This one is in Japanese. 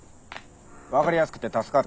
分かりやすくって助かる。